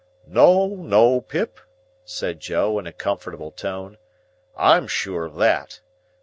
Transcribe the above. "No, no, Pip!" said Joe, in a comfortable tone, "I'm sure of that.